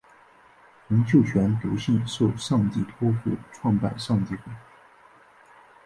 洪秀全笃信受上帝托负创拜上帝会。